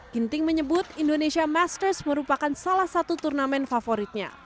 ginting menyebut indonesia masters merupakan salah satu turnamen favoritnya